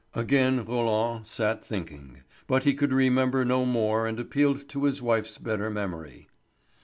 Again Roland sat thinking, but he could remember no more and appealed to his wife's better memory.